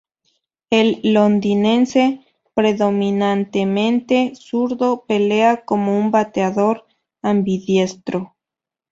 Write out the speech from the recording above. El londinense predominantemente zurdo pelea como un bateador ambidiestro.